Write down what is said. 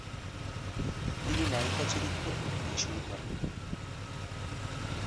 তিনি নায়িকা চরিত্রে অভিনয় শুরু করেন।